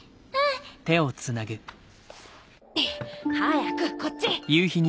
早くこっち！